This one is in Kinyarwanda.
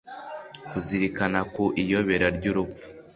kuzirikana ku iyobera ry'urupfu